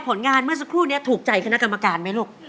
ผลงานเมื่อสักครู่นี้ถูกใจเขนาที่เข้ากรรมการมั้ยรูป